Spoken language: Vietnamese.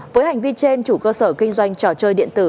với hành vi trên chủ cơ sở kinh doanh trò chơi điện tử